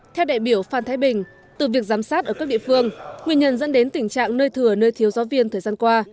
theo đại biểu phan thái bình từ việc giám sát ở các địa phương nguyên nhân dẫn đến tình trạng nơi thừa nơi thiếu giáo viên thời gian qua